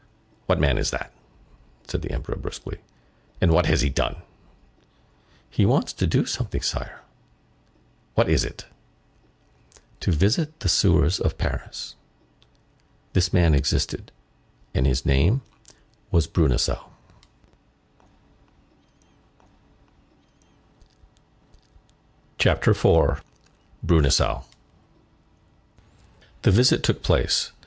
—"What man is that?" said the Emperor brusquely, "and what has he done?"—"He wants to do something, Sire."—"What is it?"—"To visit the sewers of Paris." This man existed and his name was Bruneseau. CHAPTER IV The visit took place.